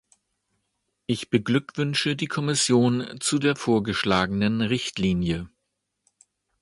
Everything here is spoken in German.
Ich beglückwünsche die Kommission zu der vorgeschlagenen Richtlinie.